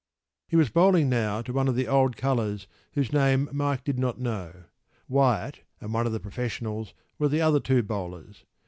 p> He was bowling now to one of the old colours whose name Mike did not know.  Wyatt and one of the professionals were the other two bowlers.